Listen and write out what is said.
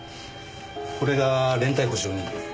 これが連帯保証人。